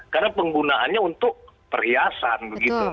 karena penggunaannya untuk perhiasan begitu mbak